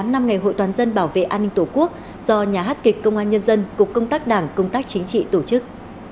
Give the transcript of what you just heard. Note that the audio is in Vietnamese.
một mươi năm năm ngày hội toàn dân bảo vệ an ninh tổ quốc do nhà hát kịch công an nhân dân cục công tác đảng công tác chính trị tổ chức